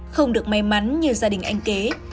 không được may mắn như gia đình anh kế